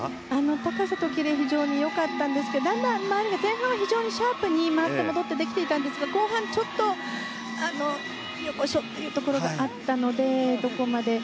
高さとキレ非常に良かったんですけど前半は非常にシャープに回って戻ってができていたんですが後半ちょっとよっこいしょというところがあったのでどこまで。